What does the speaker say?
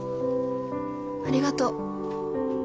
ありがとう。